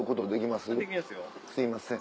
すいません。